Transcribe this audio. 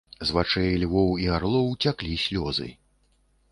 З вачэй львоў і арлоў цяклі слёзы.